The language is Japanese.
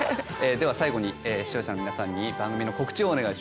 では最後に視聴者の皆さんに番組の告知をお願いします。